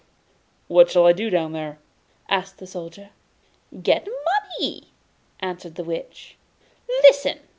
'What shall I do down there?' asked the Soldier. 'Get money!' answered the Witch. 'Listen!